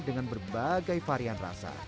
dengan berbagai varian rasa